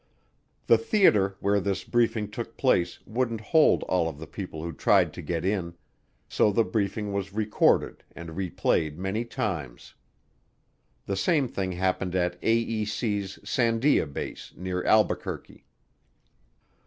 The theater where this briefing took place wouldn't hold all of the people who tried to get in, so the briefing was recorded and replayed many times. The same thing happened at AEC's Sandia Base, near Albuquerque.